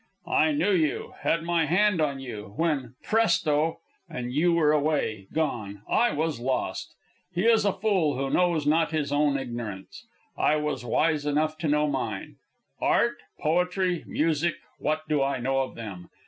I knew you, had my hand on you, when presto! and you were away, gone I was lost. He is a fool who knows not his own ignorance; I was wise enough to know mine. Art, poetry, music, what do I know of them?